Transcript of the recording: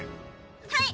はい！